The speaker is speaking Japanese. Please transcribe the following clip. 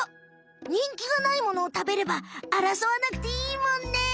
にんきがないものを食べればあらそわなくていいもんね。